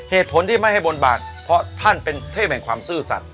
เหตุผลที่ไม่ให้บนบาดเพราะท่านเป็นเทพแห่งความซื่อสัตว